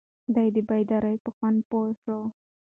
دی د بیدارۍ په خوند پوه شو.